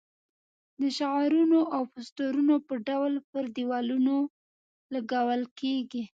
د شعارونو او پوسټرونو په ډول پر دېوالونو لګول کېږي.